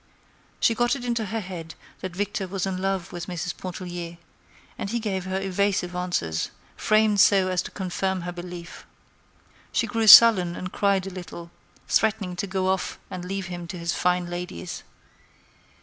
She got it into her head that Victor was in love with Mrs. Pontellier, and he gave her evasive answers, framed so as to confirm her belief. She grew sullen and cried a little, threatening to go off and leave him to his fine ladies.